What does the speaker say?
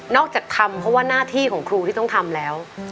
ทำเพราะว่าหน้าที่ของครูที่ต้องทำแล้ว